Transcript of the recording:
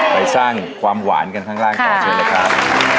ไปสร้างความหวานกันข้างล่างต่อเชิญเลยครับ